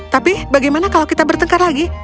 tapi bagaimana kalau kita bertengkar lagi